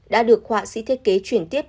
đã được họa sĩ thiết kế chuyển tiếp